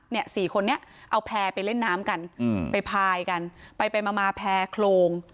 เนี่ย๔คนเนี่ยเอาแพรไปเล่นน้ำกันไปพายกันไปมาแพรโครง